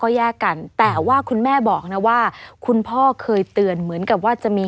แยกกันแต่ว่าคุณแม่บอกนะว่าคุณพ่อเคยเตือนเหมือนกับว่าจะมี